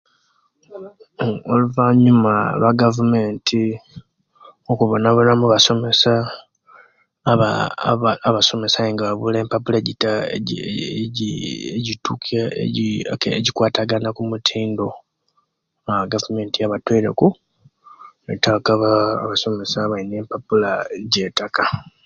Oluvaanyuma lwa'gavumenti okubonabonamu abasomesa aba aba abasomesa ayenga babula empapula ejji ejji ejitukira kale ejikwatagano okumutindo aaah egavumenti yabatwoileku nettaku abasomesa abalina empapula ejettaka